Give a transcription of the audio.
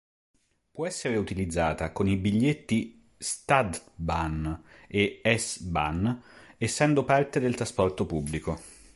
Può essere utilizzata con i biglietti Stadtbahn e S-Bahn essendo parte del trasporto pubblico.